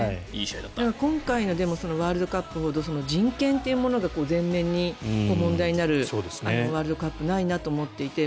今回のワールドカップほど人権というものが前面に問題になるワールドカップはないなと思っていて